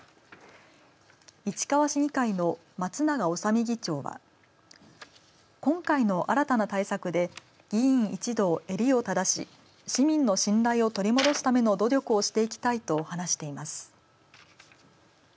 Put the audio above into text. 市川市市議会の松永修巳議長は今回の新たな対策で議員一同、襟をただし市民の信頼を取り戻すための努力をしていきたいと話しています。